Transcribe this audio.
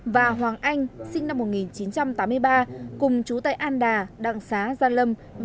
và hoàng anh sinh năm một nghìn chín trăm tám mươi ba cùng chú tại an đà đặng xá gia lâm